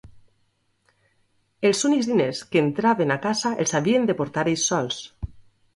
Els únics diners que entraven a casa els havien de portar ells sols.